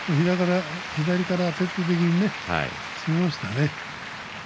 左から徹底的に攻めましたね。